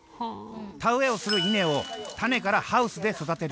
田植えをする稲を種からハウスで育てる。